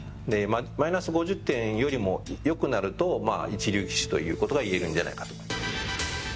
マイナス５０点よりも良くなると一流棋士ということがいえるんじゃないかなと思います。